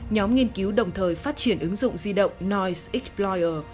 nhóm nghiên cứu đồng thời phát triển ứng dụng di động noise explorer